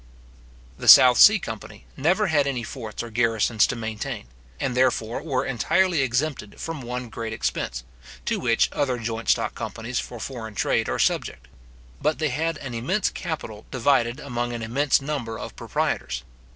The South Sea company never had any forts or garrisons to maintain, and therefore were entirely exempted from one great expense, to which other joint stock companies for foreign trade are subject; but they had an immense capital divided among an immense number of proprietors.